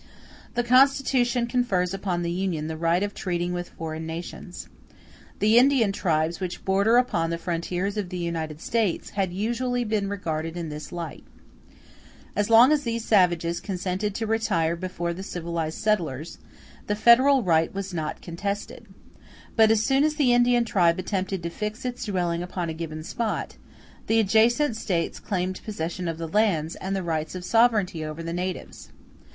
The Constitution confers upon the Union the right of treating with foreign nations. The Indian tribes, which border upon the frontiers of the United States, had usually been regarded in this light. As long as these savages consented to retire before the civilized settlers, the federal right was not contested: but as soon as an Indian tribe attempted to fix its dwelling upon a given spot, the adjacent States claimed possession of the lands and the rights of sovereignty over the natives.